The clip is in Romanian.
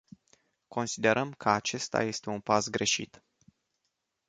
Considerăm că acesta este un pas greșit.